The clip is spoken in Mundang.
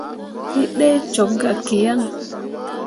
Wǝ ɗee cok gah ki yan.